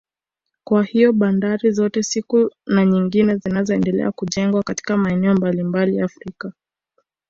Kwa hiyo bandari zote hizo na nyingine zinazoendelea kujengwa katika maeneo mbalimbali Afrika